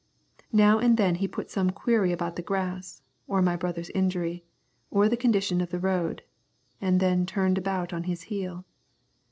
Now and then he put some query about the grass, or my brother's injury, or the condition of the road, and then turned about on his heel.